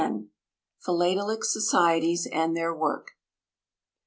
Philatelic Societies and their Work.